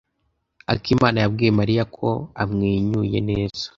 Akimana yabwiye Mariya ko amwenyuye neza.